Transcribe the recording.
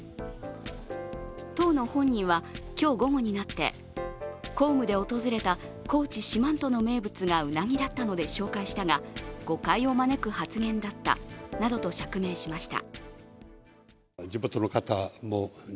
当の本人は、今日午後になって、公務で訪れた高知・四万十の名物がうなぎだったので紹介したが誤解を招く発言だったなどと釈明しました。